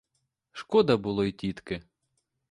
Шкода було й тітки.